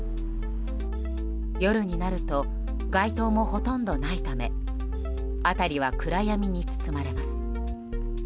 夜になると街灯もほとんどないため辺りは暗闇に包まれます。